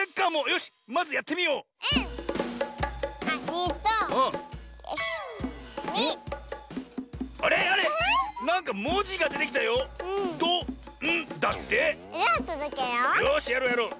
よしやろうやろう。